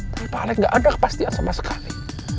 tapi pak alex gak ada kepastian sama sekali